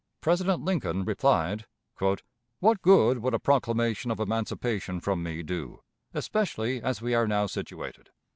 President Lincoln replied: "What good would a proclamation of emancipation from me do, especially as we are now situated?